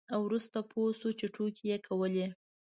وروسته پوه شو چې ټوکې یې کولې.